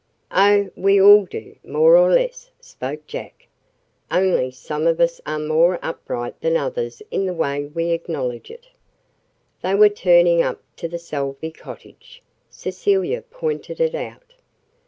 "Oh, we all do, more or less," spoke Jack. "Only some of us are more upright than others in the way we acknowledge it." They were turning up to the Salvey cottage. Cecilia pointed it out.